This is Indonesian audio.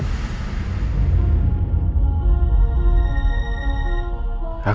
aku mau buktikan